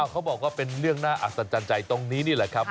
เขาบอกว่าเป็นเรื่องน่าอัศจรรย์ใจตรงนี้นี่แหละครับ